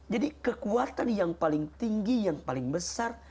jadi kekuatan yang paling tinggi yang paling besar